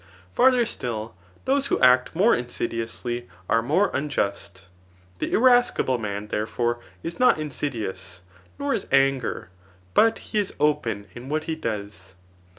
Farther still, those who act more insidiously are more unjust. The irascible man, therefore, is not insidious, nor is anger, but he is open in what he does.